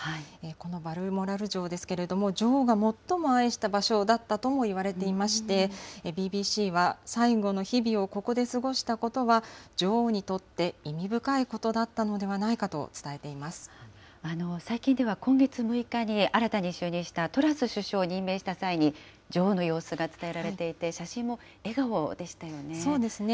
このバルモラル城ですけれども、女王が最も愛した場所だったとも言われていまして、ＢＢＣは、最後の日々をここで過ごしたことは、女王にとって意味深いことだった最近では、今月６日に新たに就任したトラス首相を任命した際に、女王の様子が伝えられていて、そうですね。